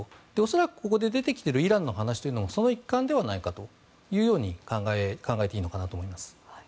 恐らく、ここで出てきているイランの話もその一環ではないかと考えていいのかなと思います。